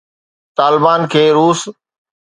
طالبان کي روس